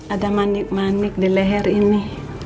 ada manik manik di leher ini